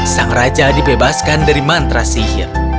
sang raja dibebaskan dari mantra sihir